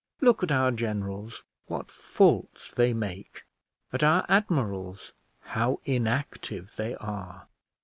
Look at our generals, what faults they make; at our admirals, how inactive they are.